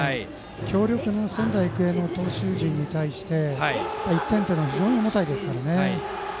強力な仙台育英の投手陣に対して１点というのは非常に重たいですからね。